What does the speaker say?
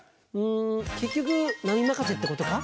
ん結局波任せってことか？